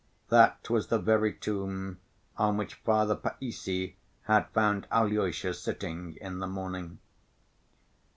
(That was the very tomb on which Father Païssy had found Alyosha sitting in the morning.)